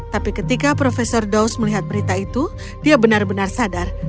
tapi ketika profesor daus melihat berita itu dia benar benar sadar